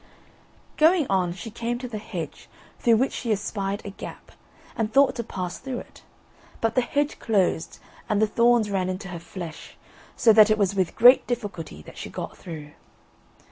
Going on, she came to the hedge, through which she espied a gap, and thought to pass through it; but the hedge closed, and the, thorns ran into her flesh, so that it was with great difficulty that she got through.